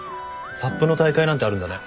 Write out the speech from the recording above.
サップの大会なんてあるんだね。